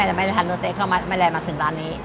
ถ้าไม่ทานเนื้อเต๊ะเขาก็ไม่เลยมาถึงร้านนี้